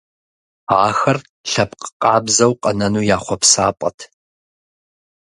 Ахэр лъэпкъ къабзэу къэнэну я хъуэпсапӀэт.